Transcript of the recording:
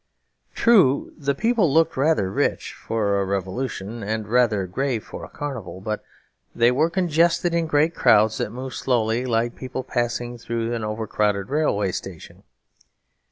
True, the people looked rather rich for a revolution and rather grave for a carnival; but they were congested in great crowds that moved slowly like people passing through an overcrowded railway station.